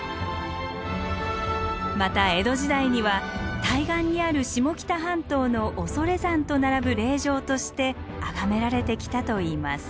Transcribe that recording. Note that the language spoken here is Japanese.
また江戸時代には対岸にある下北半島の恐山と並ぶ霊場として崇められてきたといいます。